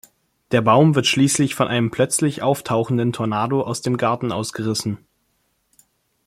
Der Baum wird schließlich von einem plötzlich auftauchenden Tornado aus dem Garten ausgerissen.